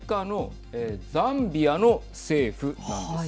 アフリカのザンビアの政府なんです。